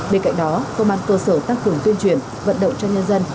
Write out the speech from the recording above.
bên cạnh đó công an cơ sở tăng cường tuyên truyền vận động cho nhân dân